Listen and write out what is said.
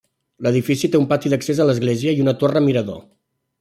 L'edifici té un pati d'accés a l'església i una torre mirador.